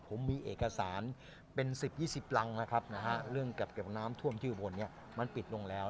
ผมมีเอกสารเป็น๑๐๒๐รังแล้วครับนะฮะเรื่องเก็บน้ำท่วมที่อุบลเนี่ยมันปิดลงแล้ว